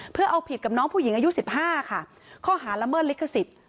เพื่อเอาผิดกับน้องผู้หญิงอายุ๑๕ค่ะข้อหาละเมิดลิขสิทธิ์